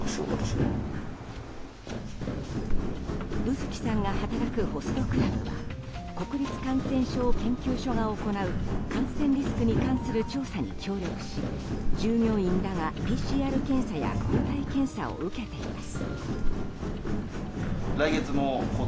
卯月さんが働くホストクラブは国立感染症研究所が行う感染リスクに関する調査に協力し従業員らがＰＣＲ検査や抗体検査を受けています。